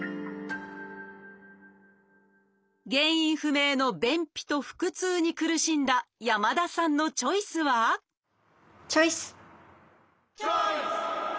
原因不明の便秘と腹痛に苦しんだ山田さんのチョイスはチョイス！